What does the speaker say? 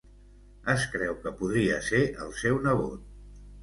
Es creu que podria ser el seu nebot.